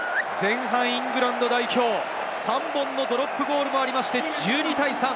イングランド代表、３本のドロップゴールがあって１２対３。